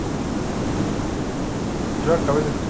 Mujeriego y aficionado a las apuestas en las carreras de caballos.